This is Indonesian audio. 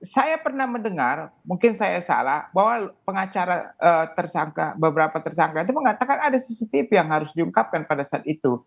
saya pernah mendengar mungkin saya salah bahwa pengacara tersangka beberapa tersangka itu mengatakan ada cctv yang harus diungkapkan pada saat itu